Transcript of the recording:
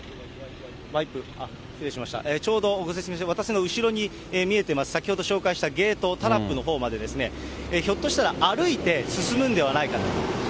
ちょうどご説明しました、私の後ろに見えてます、先ほど紹介したゲート、タラップのほうまで、ひょっとしたら歩いて進むのではないかと。